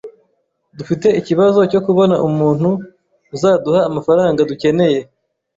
Dufite ikibazo cyo kubona umuntu uzaduha amafaranga dukeneye